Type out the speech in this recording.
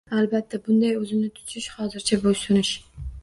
Albatta bunday o‘zini tutish hozircha bo‘ysunish